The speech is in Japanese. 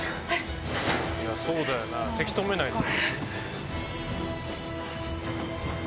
そうだよなせき止めないと。